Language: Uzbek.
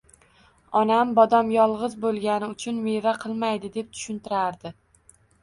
Onam: «Bodom yolg‘iz bo‘lgani uchun meva qilmaydi», deb tushuntirardi.